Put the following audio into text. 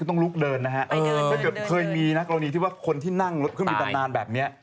จะต้องลุกเดินนะฮะเพื่อจะเพิ่งมีน่าโร๊นีที่ว่าคุณที่นั่งคุณมีการเดินแบบเนี้ย